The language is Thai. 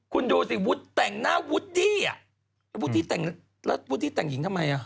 คุณดูสิวดต่างหน้าวดดี้แล้ววดที่แต่งหญิงทำไม